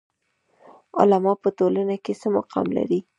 علما په ټولنه کې څه مقام لري؟